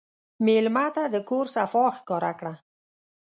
مېلمه ته د کور صفا ښکاره کړه.